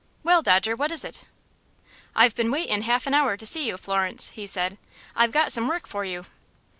"Well, Dodger, what is it?" "I've been waitin' half an hour to see you, Florence," he said. "I've got some work for you."